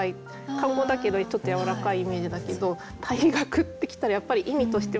漢語だけどちょっとやわらかいイメージだけど「退学」って来たらやっぱり意味としても重いっていうのあるから。